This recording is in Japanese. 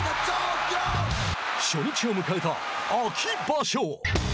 初日を迎えた秋場所。